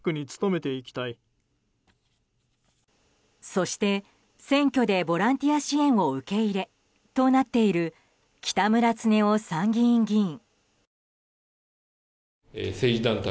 そして、選挙でボランティア支援を受け入れとなっている北村経夫参議院議員。